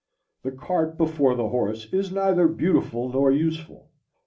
The cart before the horse is neither beautiful nor useful.